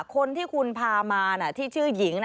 คนที่คุณพามาที่ชื่อหญิง